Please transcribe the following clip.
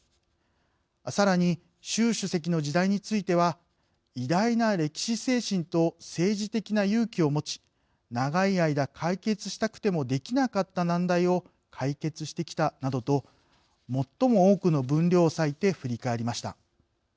さらに、習主席の時代については「偉大な歴史精神と政治的な勇気を持ち長い間解決したくてもできなかった難題を解決してきた」などと最も多くの分量を割いて振り返りました。